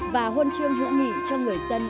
và huân chương hữu nghị cho người dân